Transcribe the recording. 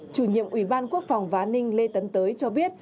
chủ nhiệm ủy ban quốc phòng vá ninh lê tấn tới cho biết